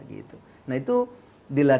nah itu dilatih dan